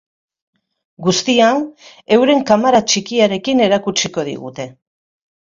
Guzti hau, euren kamara txikiarekin erakutsiko digute.